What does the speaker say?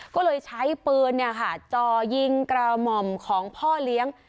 ก็เลยใช้ปืนจ่อยิงกระหม่อมของพ่อเลี้ยง